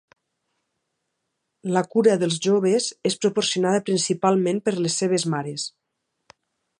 La cura dels joves és proporcionada principalment per les seves mares.